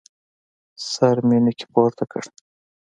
سر مې نوکى پورته کړ.